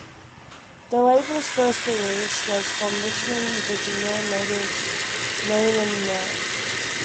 The label's first release was from Richmond, Virginia natives Main and Merc.